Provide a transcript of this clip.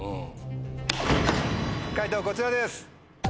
解答こちらです。